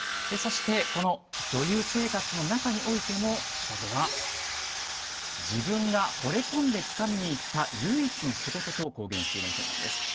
そして、女優生活の中においても「ＣＨＩＣＡＧＯ」は自分がほれ込んでつかみにいった唯一の仕事と公言しているわけなんです。